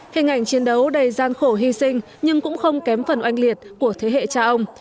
hình ảnh chiến đấu đầy gian khổ hy sinh nhưng cũng không kém phần oanh liệt của thế hệ cha ông